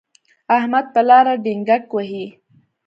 احمد په لاره ډینګګ وهي.